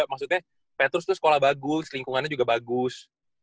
maksudnya petrus itu sekolah bagus lingkungannya juga bagus